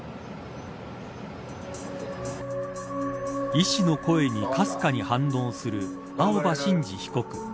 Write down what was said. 医師の声にかすかに反応する青葉真司被告。